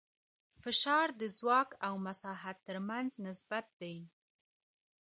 فشار د ځواک او مساحت تر منځ نسبت دی.